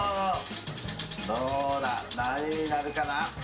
どうだ、何になるかな？